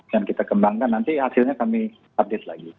dan kita kembangkan nanti hasilnya kami update lagi